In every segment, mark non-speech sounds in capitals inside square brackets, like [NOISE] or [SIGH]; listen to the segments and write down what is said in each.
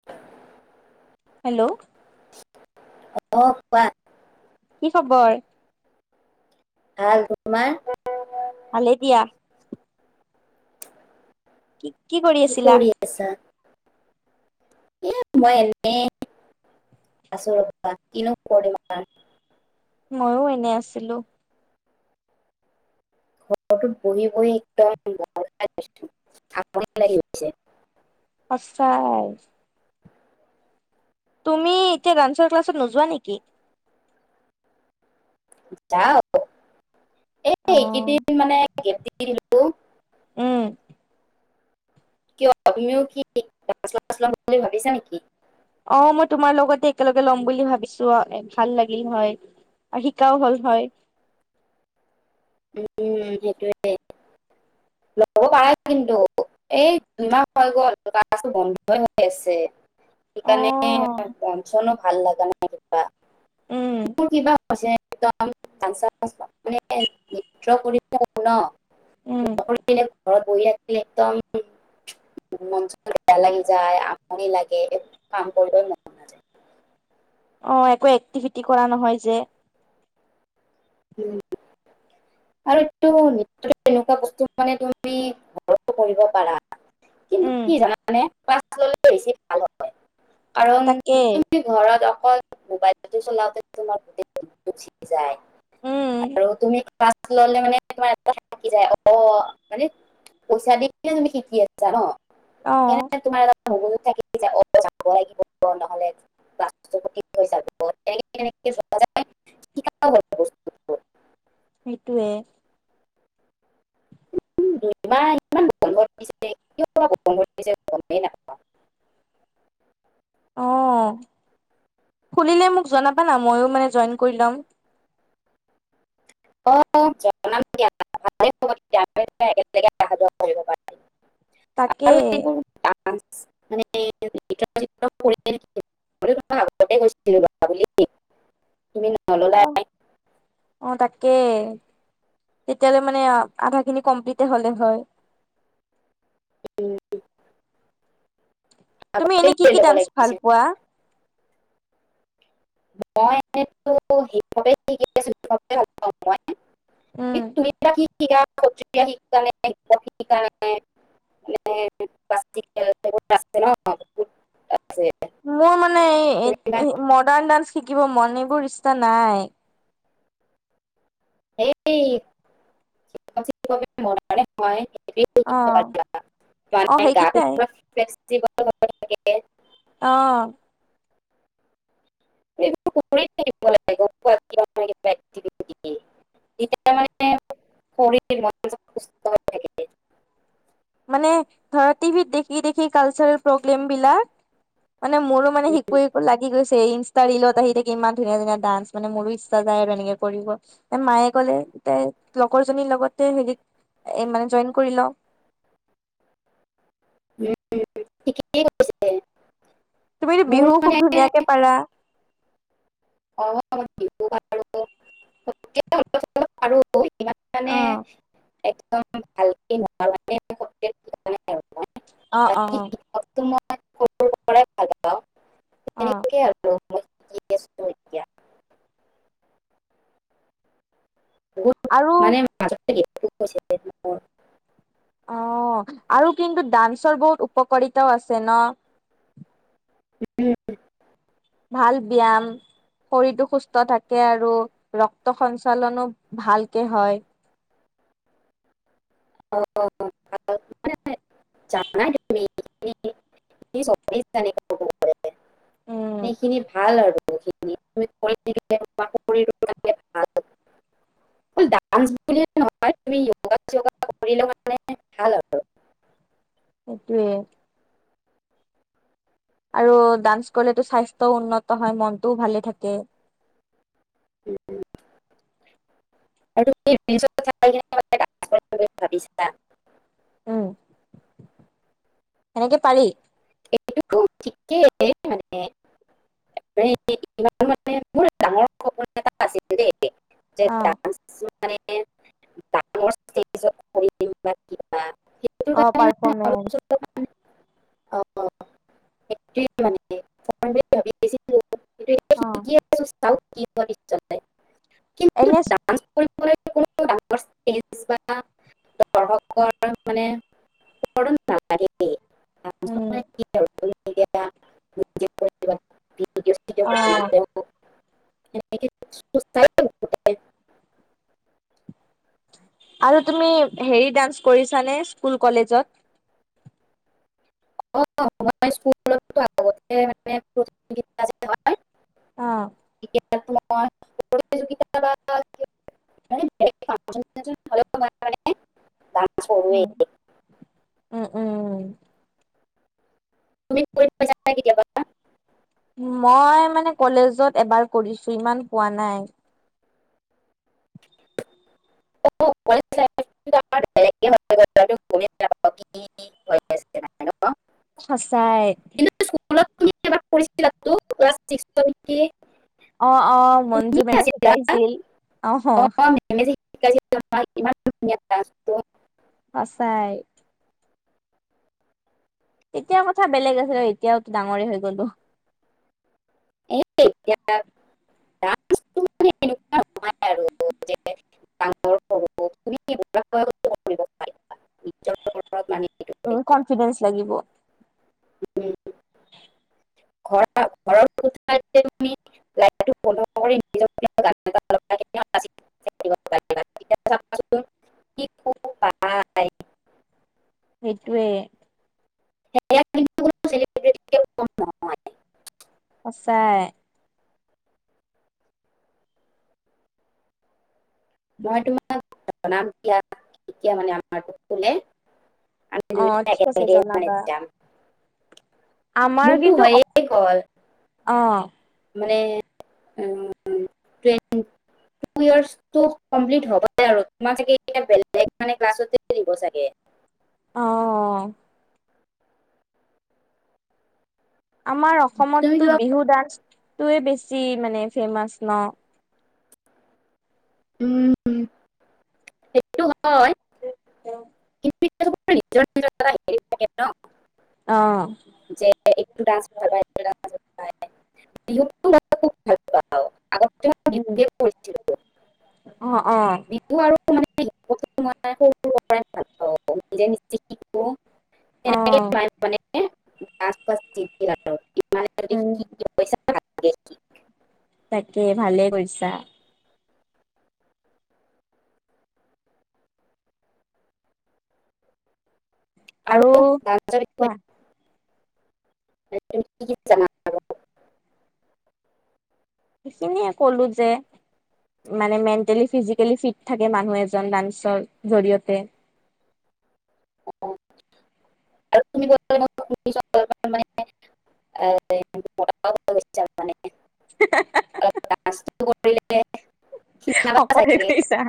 [UNINTELLIGIBLE] Hello? অ'! কোৱা? কি খবৰ? ভাল, তোমাৰ? ভালে দিয়া। কি, কি কৰি আছিলা? [UNINTELLIGIBLE] এ, মই এনে, আছোঁ। ৰ'বা, কিনো কৰিম আৰু। মইও এনে আছিলোঁ। [UNINTELLIGIBLE] সঁচাই। তুমি এতিয়া, ডান্সৰ ক্লাছত নোযোৱা নেকি? যাওঁ। এই, অ এইকেইদিন মানে, গেপ দি দিলোঁ। উম। কিয়? তুমিও কি, ক্লাছ-শ্লাছ ল'ম বুলি ভাবিছা নেকি? অ'! মই তোমাৰ লগতে, একেলগে ল'ম বুলি ভাবিছোঁ! ভাল লাগিল হয়। শিকাও হ'ল হয়। উম, সেইটোৱেই! ল'ব পাৰা কিন্তু। এই, দুইমাহ হৈ গ'ল, ক্লাছটো বন্ধ হৈ আছে। অ সেইকাৰণে, মন-চনো ভাল লাগ নাই, কিবা। উম মোৰ কিবা [UNINTELLIGIBLE] নৃত্য কৰি [UNINTELLIGIBLE] উম নকৰি পিনে ঘৰত বহি থাকিলে, একদম মন-চন বেয়া লাগি যায়, আমনি লাগে! এই, কাম কৰিবই মন নাযায় অ'! একো এক্টিভিটি কৰা নহয় যে। উম। আৰু এইটো, নৃত্যটো এনেকুৱা বস্তু মানে, তুমি ঘৰতো কৰিব পাৰা। কিন্তু, উম কি জানানে? ক্লাছ ল'লে, বেছি ভাল হয়। কাৰণ, তাকে তুম তুমি ঘৰত অকল, মোবাইলটো চলাওঁতে, তোমাৰ গোটেই দিনটো গুচি যায়। উম আৰু তুমি ক্লাছ ল'লে মানে, তোমাৰ কিবা এটা থাকি যায়। অ'! মানে, পইচা দিয়েই তুমি শিকি আছা ন' অ সেইকাৰণে, তোমাৰ এটা মগজুত থাকি যায়। অ'! যাব লাগিব, নহ'লে ক্লাছটো [UNINTELLIGIBLE] [UNINTELLIGIBLE] সেইটোৱে। [INAUDIBLE] [UNINTELLIGIBLE] ইমান [UNINTELLIGIBLE] গমেই নাপাওঁ। অ খুলিলে মোক জনাবা না? মইয়ো মানে, জইন কৰি ল'ম। অ'! জনাম দিয়া, ভালে হ'ব [UNINTELLIGIBLE] তেতিয়া আমি, [UNINTELLIGIBLE] একেলগে অহা-যোৱা কৰিব পাৰিম। তাকে আৰু এইবোৰ, ডান্স [INAUDIBLE] মানে এই নেটৱৰ্ক চেটৱৰ্ক কৰিব নে কি? [UNINTELLIGIBLE] মইতো তোমাক আগতে কৈছিলো ল'বা বুলি তুমি নল'লা [UNINTELLIGIBLE] অ'অ' তাকে। তেতিয়ালৈ মানে আধাখিনি কমপ্লিতে হলে হয়। বি [UNINTELLIGIBLE] তুমি এনে আগতে কি কি কৰি ল'ব ডান্স ভাল লাগিছিল। পোৱা? [UNINTELLIGIBLE] মই উম, সেইবাবেঠিক [UNINTELLIGIBLE] [UNINTELLIGIBLE] কিনকে [UNINTELLIGIBLE] মানে আছে ন [UNINTELLIGIBLE] আছে মোৰ মানে এই, তুমি বা এই মডাৰ্ণ ডান্স শিকিব মন এইবোৰ ইচ্ছা নাই। এই অ', অ', সেইকেইটাই [UNINTELLIGIBLE] ফেষ্টিভ হ'ব লাগে [UNINTELLIGIBLE] অ', ল [UNINTELLIGIBLE] এতি মানে শৰি সুস্থ হৈ থাকে। [UNINTELLIGIBLE] মানে ধৰা টভিত দেখি, দেখি কালছাৰেল প্ৰগ্ৰোম বিলাক। মানে মোৰো মানে শিকো, শিকো লাগি গৈছে ইনষ্টা ৰিলত আহি থাকে ইমান ধুনীয়া ধুনীয়া ডান্স মানে, মোৰো ইচ্ছা যায় আৰু তেনেকে কৰিব। এ মায়ে ক'লে তই লগৰ জনীৰ লগতে হেৰিত এ মানে জইন কৰি ল। ঠিকেই কৈছে। [UNINTELLIGIBLE] তুমিতো মোৰ বিহু খুব মানে ধুনীয়াকে পাৰা। অ', বিহু পাৰো মে অ', একদ ভ [UNINTELLIGIBLE] অ'অ' শিক্ষকটো মই সৰুৰ পৰাই ভাল পাওঁ অ', তেনেকে আৰু [UNINTELLIGIBLE] আছো এতিয়া বহুত আৰু [UNINTELLIGIBLE] অ' আৰু কিন্তু ডান্সৰ বহুত উপকাৰিতাও আছে ন। উম, ভাল ব্যায়াম। শৰীৰটো সুস্থ থাকে আৰু ৰক্ত সঞ্চালনো ভালকে হয়। অ', ভাল মানে জানাই তোমি। [UNINTELLIGIBLE] [UNINTELLIGIBLE] উম সেইখিনি ভাল আৰু। [UNINTELLIGIBLE] অ' ডান্স বুলিয় নহয় তুমি যোগা চোগা কৰিলে মানে ভাল আৰু। [UNINTELLIGIBLE] সেইটোৱে। আৰু ডান্স কৰিলেতো স্বাস্থ্যও উন্নত হয় মনতটোও ভালে থাকে। [INAUDIBLE] ভাব [UNINTELLIGIBLE] উম, সেনেকে পাৰি। এইটো ঠিকে আছে মানে [UNINTELLIGIBLE] মানে মোৰ ডাঙৰ এ অ দেই [UNINTELLIGIBLE] মান ডাঙৰম [UNINTELLIGIBLE] অ' পাৰ্ফৰমেন্স। ত' [UNINTELLIGIBLE] [UNINTELLIGIBLE] অ', [UNINTELLIGIBLE] এনেচ [UNINTELLIGIBLE] [UNINTELLIGIBLE] বা দৰ্শকৰ মানে [UNINTELLIGIBLE] উম [UNINTELLIGIBLE] অ [UNINTELLIGIBLE] আৰু তুমি হেৰি ডান্স কৰিছা নে স্কুল কলেজত? অ'মই স্কুলতো আগতে মানে [UNINTELLIGIBLE] যে হয় অ', [UNINTELLIGIBLE] [UNINTELLIGIBLE] উম, উম, উম, উম। তুমি কৰি [UNINTELLIGIBLE] কেতিয়াবা? মই মানে কলেজত এবাৰ কৰিছো, ইমান পোৱা নাই। [UNINTELLIGIBLE] [UNINTELLIGIBLE] মানে ন সঁচাই। কিন্তু স্কুলত তুমি এবাৰ [UNINTELLIGIBLE] কি? অ'অ' মঞ্জু মেমে শিকাইছিল অ' [UNINTELLIGIBLE] [UNINTELLIGIBLE] সঁচাই। তেতিয়া কথা বেলেগ আছিলে, এতিয়াও টো ডাঙৰেই হৈ গ'লো। [UNINTELLIGIBLE] [UNINTELLIGIBLE] পাৰিবা নিজৰ ওপৰত মানে এইটো উম, হেৰি। কনফিডেন্স লাগিব। উম, [UNINTELLIGIBLE] [UNINTELLIGIBLE] পাৰিবা তেতিয়া চাবাচোন কি সুখ পায় সেটোৱেই। [UNINTELLIGIBLE] চেলিব্ৰিটিতকৈ কম নহয়। সঁচাই। মই তোমাক [UNINTELLIGIBLE] [UNINTELLIGIBLE] আমি অ ঠিক আছে দুইজনী জনাবা [UNINTELLIGIBLE] যাম আমাৰ মোৰটো কিন্তু হয়েই কল অ', মানে [UNINTELLIGIBLE] ইয়াৰ্ছ টো কমপ্লিট হ'ব আৰু তোমাৰ চাগে এতিয়া, বেলেগ মানে ক্লাছতে দিব চাগে। অ', আমাৰ তুমি অসমতটো কিবা বিহু ডান্সটোৱেই বেছি, মানে ফেমাচ ন? উম, উম। সেইটো হয়, কিন্তু [UNINTELLIGIBLE] অ', [UNINTELLIGIBLE] [UNINTELLIGIBLE] উম অ পৰিচিত। অ আৰু [UNINTELLIGIBLE] অ তেনেক। [UNINTELLIGIBLE] উম [UNINTELLIGIBLE] তাকে ভালে কৰিছা। [INAUDIBLE] আৰু কোৱা [UNINTELLIGIBLE] [UNINTELLIGIBLE] সেইখিনিয়ে ক'লো যে মানে মেণ্টেলি ফিজিকেলি ফিট থাকে মানুহ এজন ডান্সৰ জৰিয়তে। তুমি [UNINTELLIGIBLE] [UNINTELLIGIBLE] [UNINTELLIGIBLE] হ হা, হা। [UNINTELLIGIBLE] শিনাবা সকলোৱে চাগে কৰিছা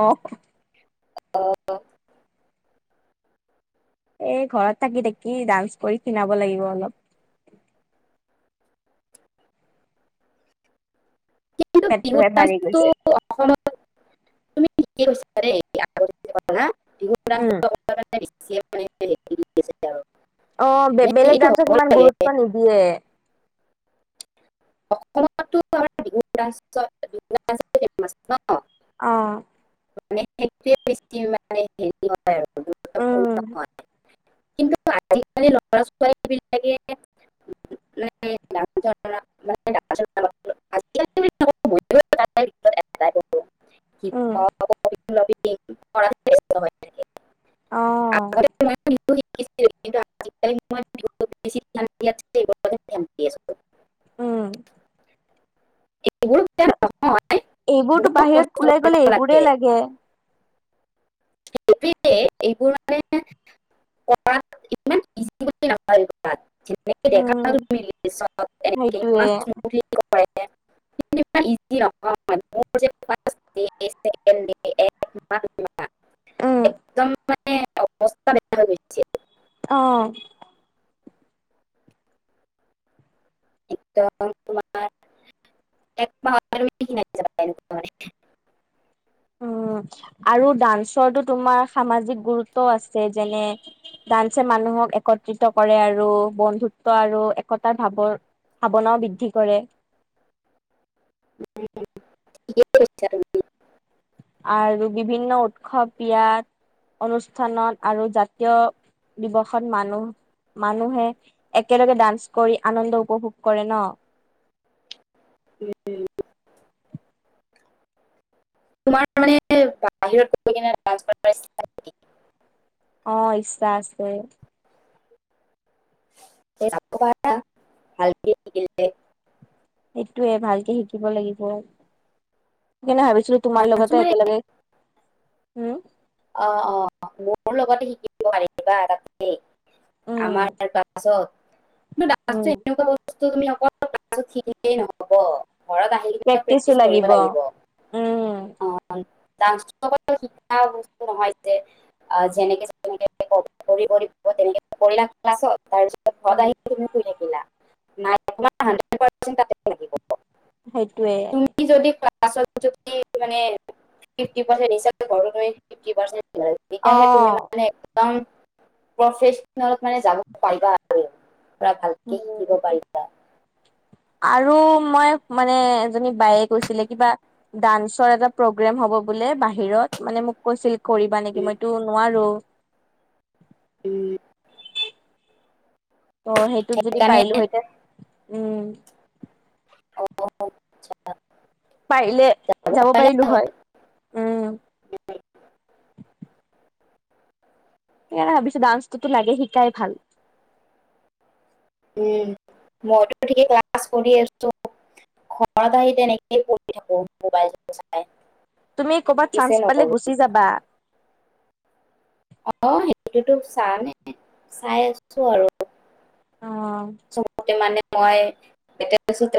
অ' [INAUDIBLE] এই ঘৰত থাকি, থাকি ডান্স কৰি কিনাব লাগিব অলপ। কিন্তু বিহু পেটটোহে বাঢ়ি গৈছে। [UNINTELLIGIBLE] ন এইটো উম অ বেলেগ ডান্সক হ'ব ইমান লাগে গুৰুত্ব [UNINTELLIGIBLE] নিদিয়ে অসমতো আম বিভিন্ন বিন্ন [UNINTELLIGIBLE] মান অ সোৱে বেছি [UNINTELLIGIBLE] উম [UNINTELLIGIBLE] কিন্তু আজিকালি লৰা ছোৱালী বিলাকে [UNINTELLIGIBLE] [INAUDIBLE] [UNINTELLIGIBLE] ময়ো তাৰে ভিতৰত এটাই কৰোঁ হিপ উম, অ [UNINTELLIGIBLE] [UNINTELLIGIBLE] উম, এইবোৰ বেয়া কিন্তু নহয় এইবোৰতো বহুত কষ্ট বাহিৰত ওলাই কৰিব গ'লে এইবোৰেই লাগে। এইবোৰ মানে পঢ়াত ইমান ইজি বুলি ন [UNINTELLIGIBLE] [UNINTELLIGIBLE] উম দেখাত [UNINTELLIGIBLE] পিছত এনেকে সেইটোৱে [UNINTELLIGIBLE] [INAUDIBLE] ইমান ইজি নহয়, মোৰ যে ফাৰ্চ [UNINTELLIGIBLE] উম একদম মানে অৱস্থা বেয়া হৈ গৈছে। অঁ একদম তোমাৰ একমাহ হ'লে [UNINTELLIGIBLE] হয় উম আৰু ডান্সৰো তোমাৰ সামাজিক গুৰুত্ব আছে যেনে ডান্সে মানুহক একত্ৰিত কৰে আৰু বন্ধুত্ব আৰু একতাৰ ভাৱৰ ভাৱনাও বৃদ্ধি কৰে। [UNINTELLIGIBLE] আৰু বিভিন্ন উৎসৱ বিয়াত অনুষ্ঠানত আৰু জাত তীয় দিৱসত মানুহ মানুহে একেলগে ডান্স কৰি আনন্দ উপভোগ কৰে ন। উম তোমাৰ মানে বাহিৰত গে কিনে দাঞ্চ [UNINTELLIGIBLE] অঁ ইচ্ছা আছে। [UNINTELLIGIBLE] ভালকে এই কেই দিনতে সেইটোৱে ভালকে শিকিব লাগিব। সেইকাৰণে ভাবিছিলো তোমাৰ ডান্সো লগতে মানে একেলগে, হুম অ' অ' মোৰ লগতে শিকিব পাৰিবা, এটা তুমি। উম আমাৰ এটা পাছত নো দাঞ্চটো উম এনেকোৱা বস্তু, তুমি অকল দাঞ্চ টো শিকিলেই নহ'ব। ঘৰত আহি কিনে প্ৰেক্টিচো লাগিব। উম, দাঞ্চটো অকল শিকা বস্তু নহয় যে আৰু যেনেকে আছে তেনেকে কৰিব দিব তেনেকে কৰিলা ক্লাছত তাৰ পিছত উম সদাই তুমি শুই থাকিলা, নাই তোমাৰ হানদ্ৰেদ পাৰচেন তাতে থাকিব। সেইটোৱে। তুমি যদি ক্লাছৰ যদি মানে, ফিফটি পাৰচেন শিকিছা, ঘৰতো ফিফটি পাৰচেন লাই তেতিয়াহে তুমি অ'। মানে কাৰণ প্ৰফেচনেলত মানে যাব পাৰিবা আৰু। পুৰা ভাল কে শিকিব উম, পাৰিবা। আৰু মই মানে এজনী বায়ে কৈছিলে কিবা ডান্সৰ এটা প্ৰগ্ৰেম হ'ব বোলে বাহিৰত, মানে মোক কৈছিল কৰিবা নেকি, উম, মইতো নোৱাৰো। উম। ত 'সেইটোত যদি সেইকাৰণে পাৰিলো হেঁতেন, উম অ, পাৰিলে যাব পাৰিলো হয়। উম, সেয়াই ভাবিছো ডান্সটোতো লাগে, শিকাই ভাল। উম মইটো তেনেকে ক্লাছ কৰি আছো। ঘৰত আহি তেনেকেই কৰি থাকো ম'বাইল টো চাই। তুমি ক'বাত ছাঞ্চ পালে নকৰো। গুচি যাবা। অঁ সেইটোৱেটো চাই নে, চাই আছো আৰু অ। চবকে মানে মই এতিয়া [UNINTELLIGIBLE]